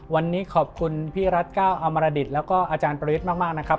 วันนี้ขอบคุณพี่รัฐก้าวอมรดิตแล้วก็อาจารย์ประยุทธ์มากนะครับ